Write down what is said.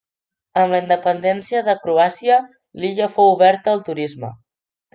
Amb la independència de Croàcia, l'illa fou oberta al turisme.